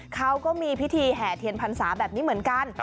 เขาก็มีพิธีแห่เถียนพันธุ์สาว์แบบนี้เหมือนกัน